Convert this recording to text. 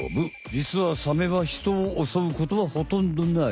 じつはサメはヒトを襲うことはほとんどない。